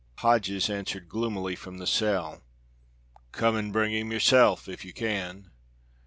Hodges answered gloomily from the cell, "Come and bring him yourself, if you can."